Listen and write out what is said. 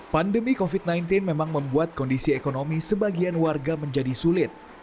pandemi covid sembilan belas memang membuat kondisi ekonomi sebagian warga menjadi sulit